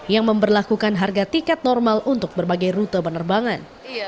yang memperlakukan harga tiket normal untuk berbagai rute penerbangan